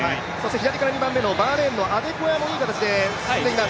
左から２番目のバーレーンのアデコヤもいい形で進んでいます。